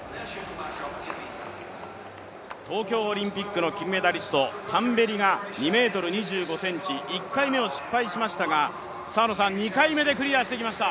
東京オリンピックの金メダリスト、タンベリが２ｍ２５ｃｍ１回目を失敗しましたが、２回目でクリアしてきました。